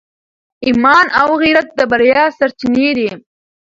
ایمان او غیرت د بریا سرچینې دي.